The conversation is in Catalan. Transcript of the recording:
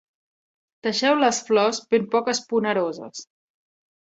Deixeu les flors ben poc esponeroses.